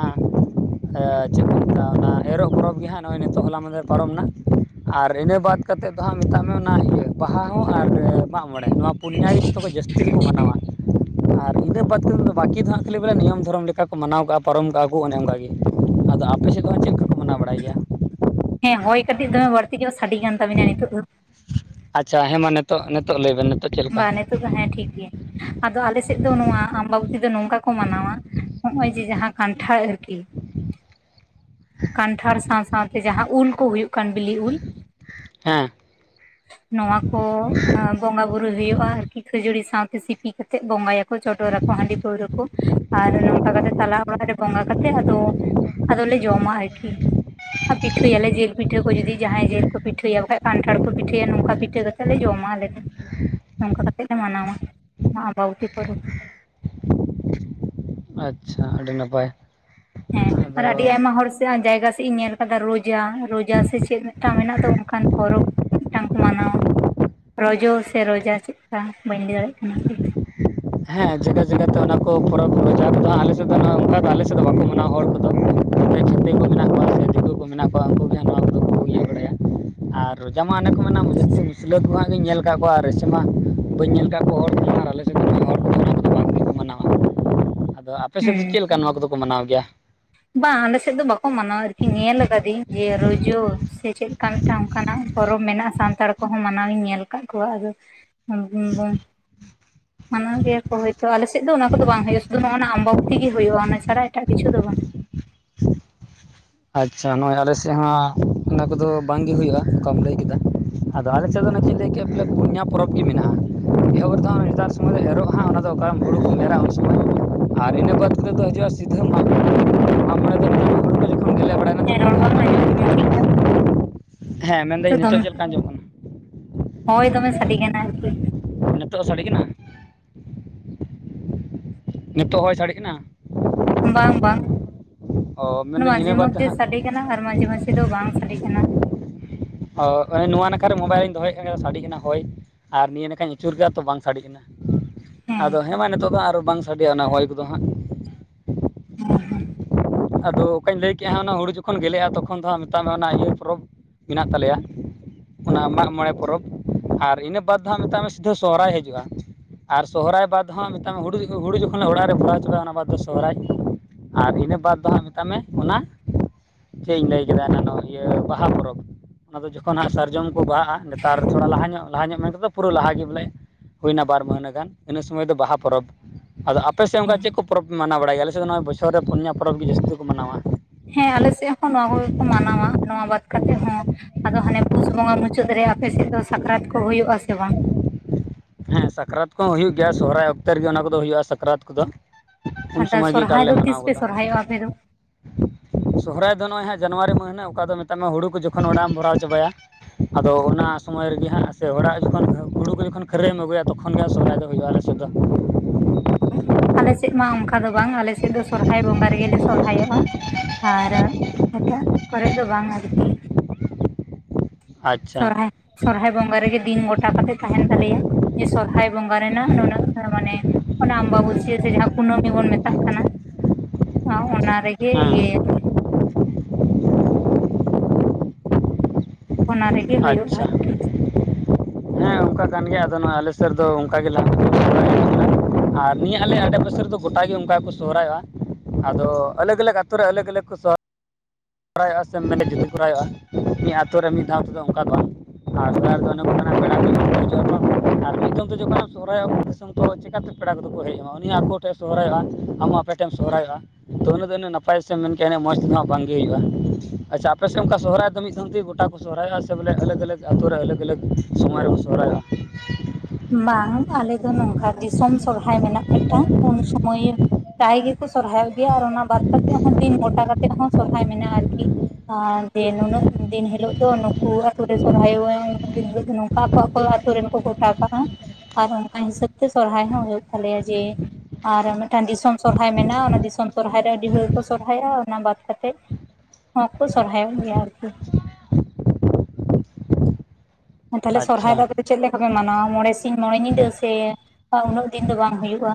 ᱾ ᱪᱮᱫ ᱠᱚ ᱢᱮᱛᱼᱟ ᱮᱨᱚᱜ ᱯᱚᱨᱚᱵᱽ ᱜᱮ ᱦᱟᱸᱜ ᱱᱚᱜᱼᱚᱭ ᱱᱤᱛᱚᱜ ᱦᱚᱞᱟ ᱢᱟᱦᱫᱮᱨ ᱯᱟᱨᱟᱢ ᱮᱱᱟ ᱾ ᱟᱨ ᱤᱱᱟᱹ ᱵᱟᱫᱽ ᱠᱟᱛᱮᱫ ᱫᱚ ᱦᱟᱸᱜ ᱢᱮᱛᱟᱜ ᱢᱮ ᱚᱱᱟ ᱤᱭᱟᱹ ᱵᱟᱦᱟ ᱦᱟᱸᱜ ᱟᱨ ᱢᱟᱜ ᱢᱚᱬᱮ ᱯᱩᱱᱭᱟᱹ ᱜᱮ ᱡᱚᱛᱚ ᱠᱦᱚᱡ ᱡᱟᱹᱥᱛᱤ ᱫᱚᱠᱚ ᱢᱟᱱᱟᱣᱟ ᱟᱨ ᱤᱱᱟᱹ ᱵᱟᱫᱽ ᱛᱮᱫᱚ ᱵᱟᱹᱠᱤ ᱫᱚ ᱦᱟᱸᱜ ᱠᱷᱟᱹᱞᱤ ᱵᱚᱞᱮ ᱱᱤᱭᱚᱢ ᱫᱷᱚᱨᱚᱢ ᱞᱮᱠᱟ ᱠᱚ ᱢᱟᱱᱟᱣ ᱠᱟᱜᱼᱟ ᱯᱟᱨᱚᱢᱠᱟᱜᱼᱟ ᱠᱚ ᱚᱱᱮ ᱚᱱᱠᱟ ᱜᱮ ᱾ ᱟᱫᱚ ᱟᱯᱮ ᱥᱮᱫ ᱦᱚᱸ ᱪᱮᱫ ᱠᱚᱠᱚ ᱢᱟᱱᱟᱣ ᱵᱟᱲᱟᱭ ᱜᱮᱭᱟ? ᱦᱮᱸ ᱦᱚᱭ ᱠᱟᱹᱴᱤᱡ ᱫᱚᱢᱮ ᱵᱟᱹᱲᱛᱤ ᱠᱮᱫᱟ ᱥᱮ ᱥᱟᱰᱮ ᱠᱟᱱ ᱛᱟᱵᱤᱱᱟ ᱱᱤᱛᱚᱜ ᱫᱚ ᱾ ᱟᱪᱪᱷᱟ ᱾ ᱦᱮᱸ ᱢᱟ ᱱᱤᱛᱚᱜ ᱱᱤᱛᱚᱜ ᱞᱟᱹᱭ ᱵᱮᱱ ᱱᱤᱛᱚᱜ ᱪᱮᱫ ᱞᱮᱠᱟ ᱵᱟᱝ ᱱᱮᱛᱚᱜ ᱫᱚ ᱦᱮᱸ ᱴᱷᱤᱠ ᱜᱮᱭᱟ ᱾ ᱟᱫᱚ ᱟᱞ ᱥᱮᱫ ᱫᱚ ᱱᱚᱣᱟ ᱟᱢᱵᱟᱵᱚᱛᱤ ᱫᱚ ᱱᱚᱝᱠᱟ ᱠᱚ ᱢᱟᱱᱟᱣᱟ ᱱᱚᱜᱼᱚᱭ ᱡᱮ ᱡᱟᱦᱟᱸ ᱠᱟᱱᱴᱷᱟᱲ ᱟᱨᱠᱤ ᱠᱟᱱᱴᱷᱟᱲ ᱥᱟᱶ ᱥᱟᱶᱛᱮ ᱡᱟᱦᱟᱸ ᱩᱞ ᱠᱚ ᱦᱩᱭᱩᱜ ᱠᱟᱱ ᱵᱤᱞᱤ ᱩᱞ ᱦᱮᱸ ᱾ ᱱᱚᱣᱟ ᱠᱚ ᱵᱚᱸᱜᱟ ᱵᱩᱨᱩ ᱦᱩᱭᱩᱜᱼᱟ ᱟᱨᱠᱤ ᱠᱷᱟᱹᱡᱟᱹᱲᱤ ᱥᱟᱶᱛᱮ ᱥᱤᱯᱤ ᱠᱟᱛᱮ ᱵᱚᱸᱜᱟᱭᱟ ᱾ ᱪᱳᱰᱳᱨ ᱟᱠᱚ ᱦᱟᱺᱰᱤ ᱯᱟᱣᱨᱟᱹ ᱠᱚ ᱾ ᱟᱨ ᱱᱚᱝᱠᱟ ᱠᱟᱛᱮ ᱛᱟᱞᱟ ᱚᱲᱟᱜ ᱨᱮ ᱵᱚᱸᱜᱟ ᱠᱟᱛᱮ ᱟᱫᱚ ᱟᱫᱚ ᱞᱮ ᱡᱚᱢᱟ ᱟᱨᱠᱤ ᱾ ᱯᱤᱴᱷᱟᱹᱭᱟᱞᱮ ᱡᱤᱞ ᱯᱤᱴᱷᱟᱹ ᱡᱩᱫᱤ ᱡᱟᱦᱟᱸᱭ ᱡᱤᱞ ᱠᱚ ᱯᱤᱴᱷᱟᱹᱭᱟ ᱠᱟᱱᱴᱷᱟᱲ ᱠᱚ ᱯᱤᱴᱷᱟᱹᱭᱟ ᱱᱚᱝᱠᱟ ᱾ ᱯᱤᱴᱷᱟᱹ ᱠᱟᱛᱮ ᱞᱮ ᱡᱚᱢᱟ ᱟᱞᱮ ᱫᱚ ᱱᱚᱝᱠᱟ ᱠᱟᱛᱮ ᱞᱮ ᱢᱟᱱᱟᱣᱟ ᱱᱚᱣᱟ ᱟᱢᱵᱟᱵᱚᱛᱤ ᱯᱚᱨᱚᱵᱽ ᱾ ᱟᱪᱷᱟ ᱟᱹᱰᱤ ᱱᱟᱯᱟᱭ ᱾ ᱦᱮᱸ ᱟᱨ ᱟᱹᱰᱤ ᱟᱭᱢᱟ ᱦᱚᱲ ᱥᱮᱫ ᱡᱟᱭᱜᱟ ᱥᱮᱫ ᱤᱧ ᱧᱮᱞ ᱨᱳᱡᱟ ᱨᱳᱡᱟ ᱥᱮ ᱪᱮᱫ ᱢᱤᱫᱴᱟᱝ ᱢᱮᱱᱟᱜ ᱫᱚ ᱚᱱᱠᱟᱱ ᱯᱚᱨᱚᱵᱽ ᱾ ᱢᱤᱫᱴᱟᱝ ᱠᱚ ᱢᱟᱱᱟᱣᱟ ᱨᱚᱡᱚ ᱥᱮ ᱨᱚᱡᱟ ᱪᱮᱫᱼᱠᱟ ᱵᱟᱹᱧ ᱞᱟᱹᱭ ᱫᱟᱲᱮᱭᱟᱜ ᱠᱟᱱᱟ ᱾ ᱦᱮᱸ ᱡᱟᱭᱜᱟ ᱡᱟᱭᱜᱟᱛᱮ ᱚᱱᱟ ᱠᱚ ᱯᱚᱨᱚᱵᱽ ᱡᱟᱦᱟᱸ ᱠᱚᱫᱚ ᱟᱞᱮ ᱥᱮᱫ ᱫᱚ ᱚᱱᱠᱟ ᱫᱚ ᱟᱞᱮ ᱥᱮᱫ ᱫᱚ ᱵᱟᱠᱚ ᱢᱟᱱᱟᱣᱟ ᱦᱚᱲ ᱠᱚᱫᱚ ᱾ ᱛᱮ ᱪᱷᱟᱹᱛᱤᱠ ᱠᱚ ᱢᱮᱱᱟᱜ ᱠᱚᱣᱟ ᱥᱮ ᱫᱤᱠᱩ ᱠᱚ ᱢᱮᱱᱟᱜ ᱠᱚᱣᱟ ᱩᱱᱠᱩ ᱜᱮ ᱦᱟᱸᱜ ᱱᱚᱣᱟ ᱠᱚᱫᱚ ᱠᱚ ᱤᱭᱟᱹ ᱵᱟᱲᱟᱭᱟ ᱾ ᱟᱨ ᱨᱚᱡᱟ ᱢᱟ ᱚᱱᱮ ᱠᱚ ᱢᱮᱱᱟ ᱡᱟᱹᱥᱛᱤ ᱢᱩᱥᱞᱟ ᱠᱚᱦᱟᱸᱜ ᱜᱮᱧ ᱧᱮᱞ ᱟᱠᱟᱫ ᱠᱚᱣᱟ ᱟᱨ ᱤᱭᱥᱟᱹ ᱢᱟ ᱾ ᱵᱟᱹᱧ ᱧᱮᱞ ᱟᱠᱟᱫ ᱠᱚ ᱦᱚᱲ ᱟᱨ ᱟᱞᱮ ᱥᱮᱫ ᱫᱚ ᱵᱟᱝᱠᱚ ᱢᱟᱱᱟᱣᱟ ᱟᱫᱚ ᱟᱯᱮ ᱥᱮᱫ ᱫᱚ ᱦᱩᱸ ᱪᱮᱫ ᱞᱮᱠᱟ ᱱᱚᱣᱟ ᱠᱚᱫᱚ ᱠᱚ ᱢᱟᱱᱟᱣ ᱜᱮᱭᱟ? ᱵᱟᱝ ᱟᱞᱮ ᱥᱮᱫ ᱫᱚ ᱵᱟᱠᱚ ᱢᱟᱱᱟᱣᱟ ᱟᱨᱠᱤ ᱧᱮᱞ ᱟᱠᱟᱫᱤᱧ ᱡᱮ ᱨᱚᱡᱚ ᱥᱮ ᱪᱮᱫ ᱚᱱᱠᱟ ᱢᱤᱫᱴᱟᱝ ᱚᱱᱠᱟᱱᱟᱜ ᱯᱚᱨᱚᱵᱽ ᱢᱮᱱᱟᱜᱼᱟ ᱥᱟᱱᱛᱟᱲ ᱠᱚᱦᱚᱸ ᱢᱟᱱᱟᱣ ᱞᱤᱧ ᱧᱮᱞ ᱟᱠᱟᱫ ᱠᱚᱣᱟ ᱟᱫᱚ ᱢᱟᱱᱟᱣ ᱜᱮᱭᱟ ᱠᱚ ᱦᱳᱭᱛᱳ ᱟᱞᱮ ᱥᱮᱫ ᱫᱚ ᱚᱱᱟ ᱠᱚᱫᱚ ᱵᱟᱝ ᱦᱩᱭᱩᱼᱟ ᱥᱩᱫᱩ ᱱᱚᱜ ᱟᱢᱵᱟ ᱵᱚᱛᱤ ᱜᱮ ᱦᱩᱭᱩᱜᱼᱟ ᱚᱱᱟ ᱪᱷᱟᱲᱟ ᱮᱴᱟᱜ ᱠᱤᱪᱷᱩ ᱫᱚ ᱵᱟᱝ ᱾ [inaudible] ᱟᱪᱪᱷᱟ ᱱᱚᱜᱼᱚᱭ ᱟᱞᱮ ᱥᱮᱫ ᱦᱚᱸ ᱚᱱᱟ ᱠᱚᱫᱚ ᱵᱟᱝ ᱜᱮ ᱦᱩᱭᱩᱜᱼᱟ ᱚᱱᱠᱟᱢ ᱞᱟᱹᱭ ᱠᱮᱫᱟ ᱾ ᱟᱫᱚ ᱟᱞᱮ ᱥᱮᱫ ᱫᱚ ᱪᱮᱫ ᱤᱧ ᱞᱟᱹᱭ ᱠᱮᱫᱟ ᱯᱩᱱᱭᱟ ᱯᱚᱨᱚᱵᱽ ᱜᱮ ᱢᱮᱱᱟᱜᱼᱟ ᱾ ᱮᱦᱚᱵᱚᱜ ᱫᱚ ᱦᱟᱸᱜ ᱱᱮᱛᱟᱨ ᱥᱚᱢᱚᱭ ᱫᱚ ᱮᱨᱚᱜ ᱦᱟᱜ ᱚᱱᱟ ᱫᱚ ᱚᱠᱟᱨ ᱦᱩᱲᱩ ᱠᱚ ᱮᱨᱟ ᱩᱱ ᱥᱚᱢᱚᱭ ᱾ ᱟᱨ ᱤᱱᱟᱹ ᱵᱟᱫᱽ ᱛᱮᱫᱚ ᱦᱤᱡᱩᱜᱼᱟ ᱥᱤᱫᱷᱟᱹ ᱢᱟᱜᱽ [unintelligible] ᱢᱚᱬᱮ ᱫᱚ [unintelligible] ᱦᱮᱸ ᱨᱚᱲ ᱵᱟᱝ ᱦᱤᱡᱩᱜ ᱦᱟᱸᱜ ᱴᱷᱤᱠᱟ᱾ ᱦᱮᱸ ᱢᱮᱱᱫᱟᱹᱧ ᱱᱤᱛᱚᱜ ᱪᱮᱫ ᱞᱮᱠᱟ [unintelligible] ᱟᱸᱡᱚᱢᱚᱜ ᱦᱚᱭ ᱫᱚᱢᱮ ᱥᱟᱰᱮ ᱠᱟᱱᱟ ᱟᱨᱠᱤ ᱱᱤᱛᱳᱜ ᱦᱚᱭ ᱥᱟᱰᱮ ᱠᱟᱱᱟ ᱱᱤᱛᱚᱜ ᱦᱚᱭ ᱥᱟᱰᱮ ᱠᱟᱱᱟ ᱾ ᱵᱟᱝ ᱵᱟᱝ ᱚ ᱢᱮᱱᱫᱟᱹᱧ ᱢᱟᱡᱮ ᱤᱱᱟᱹ ᱵᱟᱫᱽ ᱫᱚ ᱢᱚᱫᱽᱷᱮ ᱦᱟᱸᱜ ᱥᱟᱰᱮ ᱠᱟᱱᱟ ᱟᱨ ᱢᱟᱡᱷᱮ ᱢᱟᱡᱷ ᱫᱚ ᱵᱟᱝ ᱥᱟᱰᱮ ᱠᱟᱱᱟ ᱾ ᱚ ᱮ ᱱᱚᱣᱟ ᱱᱟᱠᱟᱨᱮ ᱢᱳᱵᱟᱭᱤᱞᱤᱧ ᱫᱚᱦᱚᱭᱮᱫ ᱠᱟᱱ ᱥᱟᱰᱮ ᱠᱟᱱᱟ ᱦᱳᱭ ᱟᱨ ᱱᱤᱭᱟᱹ ᱱᱟᱠᱷᱟᱧ ᱟᱹᱪᱩᱨ ᱠᱮᱜᱼᱟ ᱛᱚ ᱵᱟᱝ ᱥᱟᱰᱮ ᱠᱟᱱᱟ ᱾ ᱦᱮᱸ ᱟᱫᱚ ᱦᱮᱸᱢᱟ ᱱᱤᱛᱚᱜ ᱫᱚ ᱟᱨᱚ ᱵᱟᱝ ᱥᱟᱰᱮᱭᱟ ᱚᱱᱟ ᱦᱚᱭ ᱠᱚᱫᱚ ᱦᱟᱸᱜ ᱾ ᱦᱮᱸ ᱦᱮᱸ ᱾ ᱟᱫᱚ ᱚᱠᱟᱧ ᱞᱟᱹᱭ ᱠᱮᱫᱮᱜᱼᱟ ᱦᱟᱸᱜ ᱚᱱᱟ ᱦᱩᱲᱩ ᱡᱚᱠᱷᱚᱱ ᱜᱮᱞᱮᱜᱼᱟ ᱛᱚᱠᱷᱚᱱ ᱫᱚ ᱦᱟᱸᱜ ᱢᱮᱛᱟᱜ ᱢᱮ ᱚᱱᱟ ᱤᱭᱟᱹ ᱯᱚᱨᱚᱵᱽ ᱢᱮᱱᱟᱜ ᱛᱟᱞᱮᱭᱟ ᱾ ᱚᱱᱟ ᱢᱟᱜ ᱢᱚᱬᱮ ᱯᱚᱨᱚᱵᱽ ᱟᱨ ᱤᱱᱟᱹ ᱵᱟᱫᱽ ᱫᱚ ᱦᱟᱸᱜ ᱢᱮᱛᱟᱜ ᱢᱮ ᱥᱤᱫᱷᱟᱹ ᱥᱚᱦᱨᱟᱭ ᱦᱤᱡᱩᱜᱼᱟ ᱟᱨ ᱥᱚᱦᱚᱨᱟᱭ ᱵᱟᱫ ᱦᱚ ᱢᱤᱫ ᱦᱩᱲᱩ ᱦᱩᱲᱩ ᱡᱚᱠᱷᱚᱱ ᱚᱲᱟᱜ ᱨᱮ ᱵᱷᱚᱨᱟᱣ ᱪᱟᱵᱟᱭᱼᱟ ᱚᱱᱟ ᱵᱟᱫᱽ ᱥᱚᱦᱚᱨᱟᱭ ᱟᱨ ᱤᱱᱟᱹ ᱵᱟᱫ ᱦᱟᱸᱜ ᱢᱮᱛᱟᱜ ᱢᱮ ᱚᱱᱟ ᱪᱮᱫ ᱤᱧ ᱞᱟᱹᱭ ᱠᱮᱫᱟ ᱮᱱᱟᱱᱜ ᱤᱭᱟᱹ ᱵᱟᱦᱟ ᱯᱚᱨᱚᱵᱽ ᱟᱫᱚ ᱡᱚᱠᱷᱚᱱ ᱦᱟᱸᱜ ᱥᱟᱨᱡᱚᱢ ᱠᱚ ᱵᱟᱦᱟᱜᱼᱟ ᱱᱮᱛᱟᱨ ᱛᱷᱚᱲᱟ ᱞᱟᱦᱟ ᱧᱚᱜ ᱞᱟᱦᱟ ᱧᱚᱜ ᱢᱮᱱ ᱠᱟᱛᱮ ᱫᱚ ᱯᱩᱨᱟᱹ ᱞᱟᱦᱟ ᱜᱮ ᱵᱚᱞᱮ ᱦᱩᱭᱱᱟ ᱵᱟᱨ ᱢᱟᱹᱦᱱᱟᱹ ᱜᱟᱱ ᱤᱱᱟᱹ ᱥᱚᱢᱚᱭ ᱫᱚ ᱵᱟᱦᱟ ᱯᱚᱨᱚᱵᱽ ᱟᱫᱚ ᱟᱯᱮ ᱥᱮᱫ ᱚᱱᱠᱟ ᱪᱮᱫ ᱠᱚ ᱯᱚᱨᱚᱵᱽ ᱢᱟᱱᱟᱣ ᱵᱟᱲᱟᱭ ᱜᱮᱭᱟ ᱟᱞᱮ ᱥᱮᱫ ᱫᱚ ᱱᱚᱣᱟ ᱵᱚᱪᱷᱚᱨ ᱨᱮ ᱯᱩᱱᱭᱟ ᱯᱚᱨᱚᱵᱽ ᱜᱮ ᱡᱟᱹᱥᱛᱤ ᱠᱚ ᱢᱟᱱᱟᱣᱟ ᱦᱮᱸ ᱟᱞᱮ ᱥᱮᱫ ᱦᱚᱸ ᱱᱚᱣᱟ ᱠᱚᱜᱮ ᱠᱚ ᱢᱟᱱᱟᱣᱟ ᱱᱚᱣᱟ ᱵᱟᱫ ᱠᱟᱛᱮᱜ ᱦᱚᱸ ᱟᱫᱚ ᱦᱟᱱᱮ ᱯᱩᱥ ᱵᱚᱸᱜᱟ ᱢᱩᱪᱟᱹᱫ ᱨᱮ ᱟᱯᱮᱥᱮᱫ ᱫᱚ ᱥᱟᱠᱨᱟᱛ ᱠᱚ ᱦᱩᱭᱩᱜ ᱟᱥᱮ ᱵᱟᱝ? ᱦᱮᱸ ᱥᱟᱠᱨᱟᱛ ᱠᱚᱦᱚᱸ ᱦᱩᱭᱩᱜ ᱜᱮᱭᱟ ᱾ ᱥᱚᱦᱚᱨᱟᱭ ᱚᱠᱛᱮ ᱨᱮᱜᱮ ᱚᱱᱟ ᱠᱚᱫᱚ ᱦᱩᱭᱩᱜᱼᱟ ᱥᱟᱠᱨᱟᱛ ᱠᱚᱫᱚ ᱾ ᱩᱱ ᱟᱫᱚ ᱥᱚᱢᱚᱭ ᱜᱮ ᱮᱠᱟᱞ ᱥᱚᱨᱦᱟᱭ ᱞᱮ ᱫᱚ ᱢᱟᱱᱟᱣ ᱛᱤᱥ ᱯᱮ ᱜᱚᱫᱟ ᱥᱚᱨᱦᱟᱭᱚᱜᱼᱟ ᱟᱯᱮ ᱫᱚ? ᱥᱚᱦᱨᱟᱭ ᱫᱚ ᱱᱚᱜᱼᱚᱭ ᱦᱟᱸᱜ ᱡᱟᱱᱩᱣᱟᱨᱤ ᱢᱟᱹᱦᱱᱟᱹ ᱚᱠᱟ ᱫᱚ ᱢᱮᱛᱟᱜ ᱢᱮ ᱦᱩᱲᱩ ᱠᱚ ᱡᱚᱠᱷᱚᱱ ᱚᱲᱟᱜ ᱮᱢ ᱵᱷᱚᱨᱟᱣ ᱪᱟᱵᱟᱭᱟ ᱟᱫᱚ ᱚᱱᱟ ᱥᱚᱢᱚᱭ ᱨᱮᱜᱮ ᱦᱟᱸᱜ ᱥᱮ ᱦᱚᱲᱟᱜ ᱡᱚᱠᱷᱚᱱ ᱦᱩᱲᱩ ᱠᱚ ᱡᱚᱠᱷᱚᱱ ᱠᱷᱟᱹᱨᱟᱹᱭ ᱮᱢ ᱟᱜᱩᱭᱟ ᱛᱚᱠᱷᱚᱱ ᱜᱮ ᱥᱚᱦᱨᱟᱭ ᱫᱚ ᱦᱩᱭᱩᱜᱼᱟ ᱟᱞᱮᱥᱮᱫ ᱫᱚ ᱟᱞᱮ ᱥᱮᱫ ᱢᱟ ᱚᱱᱠᱟ ᱫᱚ ᱵᱟᱝ ᱟᱞᱮ ᱥᱮᱫ ᱫᱚ ᱥᱚᱨᱦᱟᱭ ᱵᱚᱸᱜᱟ ᱨᱮᱜᱮᱞᱮ ᱥᱚᱨᱦᱟᱭᱚᱜᱼᱟ ᱟᱨ ᱮᱴᱟᱜ ᱠᱚᱨᱮ ᱫᱚ ᱵᱟᱝ ᱟᱨᱠᱤ ᱟᱪᱪᱷᱟ ᱥᱚᱨᱦᱟᱭ ᱥᱚᱨᱦᱟᱭ ᱵᱚᱸᱜᱟ ᱨᱮᱜᱮ ᱫᱤᱱ ᱜᱚᱴᱟ ᱠᱟᱛᱮᱜ ᱛᱟᱦᱮᱱ ᱛᱟᱞᱮᱭᱟ ᱡᱮ ᱥᱚᱨᱦᱟᱭ ᱵᱚᱸᱜᱟ ᱨᱮᱱᱟᱜ ᱱᱩᱱᱟᱹᱜ ᱢᱟᱱᱮ ᱚᱱᱟ ᱟᱢᱵᱟᱵᱟᱹᱥᱭᱟᱹ ᱥᱮ ᱡᱟᱦᱟᱸ ᱠᱩᱱᱟᱹᱢᱤ ᱵᱚᱱ ᱢᱮᱛᱟᱜ ᱠᱟᱱᱟ ᱚ ᱚᱱᱟ ᱨᱮᱜᱮ ᱦᱮᱸ ᱤᱭᱟᱹᱭᱟᱞᱮ ᱚᱱᱟ ᱨᱮ ᱟᱪᱪᱷᱟ ᱦᱮᱸ ᱚᱱᱠᱟ ᱠᱟᱱ ᱜᱮᱭᱟ ᱟᱫᱚ ᱱᱚᱣᱟ ᱟᱞᱮ ᱥᱮᱫ ᱫᱚ ᱚᱱᱠᱟ ᱜᱮ [inaudible] ᱟᱨ ᱱᱤᱭᱟᱹ ᱟᱞᱮ ᱟᱰᱮᱯᱟᱥᱮ ᱨᱮᱫᱚ ᱜᱚᱴᱟ ᱜᱮ ᱚᱱᱠᱟ ᱜᱮᱠᱚ ᱥᱚᱦᱨᱟᱭᱚᱜᱼᱟ ᱟᱫᱚ ᱟᱞᱟᱹᱠ ᱟᱞᱟᱹᱠ ᱟᱛᱳ ᱨᱮ ᱟᱞᱟᱹᱠ ᱠᱚ ᱥᱚᱦᱚ- [inaudible] ᱢᱤ ᱟᱛᱳ ᱨᱮ ᱢᱤᱫ ᱫᱷᱟᱣ ᱛᱮᱫᱚ ᱚᱱᱠᱟ ᱫᱚ ᱵᱟᱝ ᱟᱨ [inaudible] [unintelligible] ᱪᱤᱠᱟᱹᱛᱮ ᱯᱮᱲᱟ ᱠᱚᱫᱚ ᱠᱚ ᱦᱮᱡ ᱟᱢᱟ ᱩᱱᱤ ᱟᱠᱚ ᱴᱷᱮᱱ ᱥᱚᱦᱨᱟᱭᱚᱜᱼᱟ ᱟᱢ ᱦᱚᱸ ᱟᱯᱮ ᱴᱷᱮᱱ ᱮᱢ ᱥᱚᱦᱨᱟᱭᱚᱜᱼᱟ [unintelligible] ᱱᱟᱯᱟᱭ ᱥᱮᱢ ᱢᱮᱱ ᱠᱮᱭᱟ ᱵᱟᱝ [unintelligible] ᱟᱪᱪᱷᱟ ᱟᱯᱮ ᱥᱮᱫ ᱚᱱᱠᱟ ᱥᱚᱦᱨᱟᱭ ᱫᱚ ᱢᱤᱫ ᱫᱷᱟᱹᱢ ᱛᱮ ᱜᱚᱴᱟ ᱠᱚ ᱥᱚᱦᱨᱟᱭᱚᱜᱼᱟ ᱥᱮ ᱵᱚᱞᱮ ᱟᱞᱟᱹᱜᱽ ᱟᱞᱟᱹᱜᱽ ᱟᱛᱩ ᱨᱮ ᱟᱞᱟᱹᱠ ᱟᱞᱟᱹᱜ ᱥᱚᱢᱚᱭ ᱨᱮᱵᱚᱱ ᱥᱚᱦᱨᱟᱭᱚᱜᱼᱟ ᱵᱟᱝ ᱟᱞᱮ ᱫᱚ ᱱᱚᱝᱠᱟ ᱫᱤᱥᱚᱢ ᱥᱚᱨᱦᱟᱭ ᱢᱮᱱᱟᱜ ᱢᱤᱫᱴᱟᱝ ᱩᱱ ᱥᱚᱢᱚᱭ ᱯᱨᱟᱭ ᱜᱮᱠᱚ ᱥᱚᱨᱦᱟᱭᱚᱜ ᱜᱮᱭᱟ ᱟᱨ ᱚᱱᱟ ᱵᱟᱫ ᱠᱟᱛᱮᱫ ᱦᱚᱸ ᱫᱤᱱ ᱜᱚᱴᱟ ᱠᱟᱛᱮᱫ ᱦᱚᱸ ᱥᱚᱨᱦᱟᱭ ᱢᱮᱱᱟᱜᱼᱟ ᱟᱨᱠᱤ ᱟᱨ ᱡᱮ ᱱᱩᱱᱟᱹᱜ ᱫᱤᱱ ᱦᱤᱞᱳᱜ ᱫᱚ ᱱᱩᱠᱩ ᱟᱹᱛᱩ ᱨᱮ ᱥᱚᱨᱦᱟᱭ [unintelligible] ᱫᱤᱱ ᱦᱤᱞᱚᱜ ᱜᱮ ᱱᱚᱝᱠᱟ ᱟᱠᱚ ᱟᱠᱚ ᱟᱹᱛᱩ ᱨᱮᱱᱠᱚ ᱜᱚᱴᱟ ᱠᱟ [unintelligible] ᱟᱨ ᱚᱱᱠᱟ ᱦᱤᱥᱟᱹᱵ ᱛᱮ ᱥᱚᱨᱦᱟᱭ ᱦᱚᱸ ᱦᱩᱭᱩᱜ ᱛᱟᱞᱮᱭᱟ ᱡᱮ ᱟᱨ ᱢᱤᱫ ᱴᱮᱱ ᱫᱤᱥᱚᱢ ᱥᱚᱨᱦᱟᱭ ᱢᱮᱱᱟᱜᱼᱟ ᱚᱱᱟ ᱫᱤᱥᱚᱢ ᱥᱚᱨᱦᱟᱭ ᱨᱮ ᱟᱹᱰᱤ ᱦᱚᱲ ᱠᱚ ᱥᱚᱨᱦᱟᱭᱟᱜᱼᱟ ᱚᱱᱟ ᱵᱟᱫ ᱠᱟᱛᱮᱫ ᱦᱚᱸ ᱠᱚ ᱥᱚᱦᱨᱟᱭᱚᱜ ᱜᱮᱭᱟ ᱟᱨᱠᱤ ᱛᱟᱞᱦᱮ ᱥᱚᱦᱨᱟᱭ ᱟᱪᱪᱷᱟ ᱫᱚ [unintelligible] ᱪᱮᱫ ᱞᱮᱠᱟᱯᱮ ᱢᱟᱱᱟᱣᱟ ᱢᱚᱬᱮ ᱥᱤᱧ ᱢᱚᱬᱮ ᱧᱤᱫᱟᱹ ᱥᱮ ᱩᱱᱟᱹᱜ ᱫᱤᱱ ᱫᱚ ᱵᱟᱝ ᱦᱩᱭᱩᱜᱼᱟ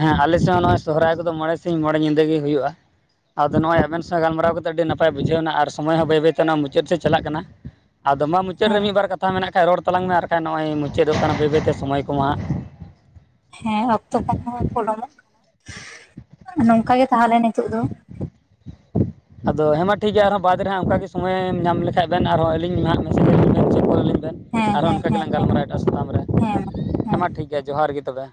ᱦᱮᱸ ᱟᱞᱮᱥᱮᱫ [unintelligible] ᱥᱚᱦᱨᱟᱭ ᱠᱚᱫᱚ ᱢᱚᱬᱮ ᱥᱤᱧ ᱢᱚᱬᱮ ᱧᱤᱫᱟᱹ ᱜᱮ ᱦᱩᱭᱩᱜᱼᱟ᱾ ᱟᱫᱚ ᱱᱚᱜᱼᱚᱭ ᱟᱵᱮᱱ ᱥᱟᱶ ᱜᱟᱞᱢᱟᱨᱟᱣ ᱠᱟᱛᱮ ᱟᱹᱰᱤ ᱱᱟᱯᱟᱭ ᱵᱩᱡᱷᱟᱹᱣ ᱱᱟ ᱟᱨ ᱥᱚᱢᱚᱭ ᱦᱚᱸ ᱵᱟᱹᱭ ᱵᱟᱹᱭᱛᱮ ᱢᱩᱪᱟᱹᱫ ᱥᱮᱫ ᱪᱟᱞᱟᱜ ᱠᱟᱱᱟ᱾ ᱟᱫᱚ ᱢᱟ ᱢᱩᱪᱟᱹᱫ ᱦᱮᱸ ᱨᱮ ᱢᱤᱫ ᱵᱟᱨ ᱠᱟᱛᱷᱟ ᱢᱮᱱᱟᱜ ᱠᱷᱟᱱ ᱨᱚᱲ ᱛᱞᱟᱝ ᱢᱮ ᱟᱨ ᱵᱟᱠᱷᱟᱱ ᱱᱚᱜᱼᱚᱭ ᱢᱩᱪᱟᱹᱫᱚᱜ ᱠᱟᱱᱟ ᱵᱟᱹᱭᱼ ᱵᱟᱹᱭᱛᱮ ᱥᱚᱢᱚᱭ ᱠᱚᱢᱟ ᱦᱟᱜ ᱦᱮᱸ ᱚᱠᱛᱚ ᱠᱚᱦᱚᱸ ᱯᱚᱞᱚᱢᱚᱜ [inaudible] ᱱᱚᱝᱠᱟ ᱜᱮ ᱛᱟᱦᱚᱞᱮ ᱱᱤᱛᱚᱜ ᱫᱚ [inaudible] ᱟᱫᱚ ᱦᱮᱸ ᱢᱟ ᱴᱷᱤᱠ ᱜᱮᱭᱟ ᱟᱨᱦᱚᱸ ᱵᱟᱫᱽ ᱨᱮ ᱦᱟᱸᱜ ᱚᱱᱠᱟ ᱜᱮ ᱥᱚᱢᱚᱭᱮᱢ ᱧᱟᱢ ᱞᱮᱠᱷᱟᱱ ᱵᱮᱱ ᱟᱨᱦᱚᱸ ᱟᱹᱞᱤᱧ ᱦᱟᱸᱜ ᱢᱮᱥᱮᱡᱟᱞᱤᱧ ᱵᱮᱱ ᱪᱮᱫ ᱦᱮᱸ [unintelligible] ᱟᱨᱚ ᱦᱮᱸ ᱚᱱᱠᱟ ᱦᱮᱸ ᱜᱮᱞᱟᱝ ᱦᱮᱸ ᱜᱟᱞᱢᱟᱨᱟᱣ ᱮᱴᱟᱜ ᱥᱟᱛᱟᱢ ᱨᱮ ᱦᱮᱸ ᱢᱟ ᱴᱷᱤᱠ ᱜᱮᱭᱟ ᱡᱚᱦᱟᱨ ᱜᱮ ᱛᱚᱵᱮ